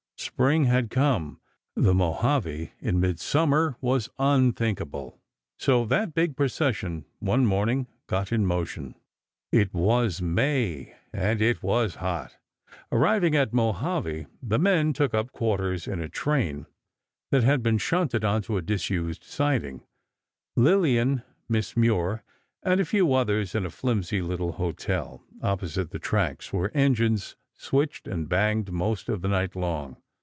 Spring had come. The Mojave in midsummer was unthinkable. So that big procession one morning got in motion. It was May, and it was hot. Arriving at Mojave, the men took up quarters in a train that had been shunted onto a disused siding—Lillian, Miss Moir and a few others in a flimsy little hotel, opposite the tracks, where engines switched and banged most of the night long.